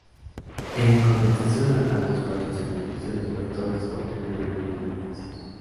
En compensación a tanto esfuerzo y sacrificio, los pastores obtenían algunos beneficios.